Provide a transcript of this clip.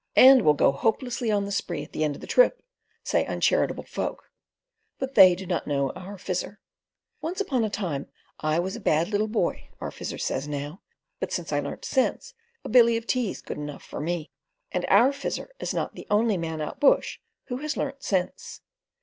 "And will go hopelessly on the spree at the end of the trip," say uncharitable folk; but they do not know our Fizzer. "Once upon a time I was a bad little boy," our Fizzer says now, "but since I learnt sense a billy of tea's good enough for me." And our Fizzer is not the only man out bush who has "learnt sense."